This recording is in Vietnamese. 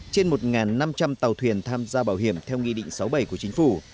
trên một năm trăm linh tàu thuyền tham gia bảo hiểm theo nghị định sáu mươi bảy của chính phủ